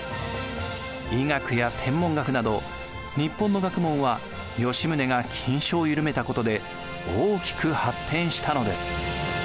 医学や天文学など日本の学問は吉宗が禁書をゆるめたことで大きく発展したのです。